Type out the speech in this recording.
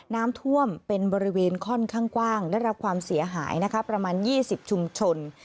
น้ำท่วมเป็นบริเวณค่อนข้างกว้างได้รับความเสียหายนะคะประมาณ๒๐ชุมชน